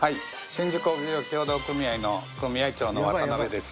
宍道湖漁業協同組合の組合長の渡部です。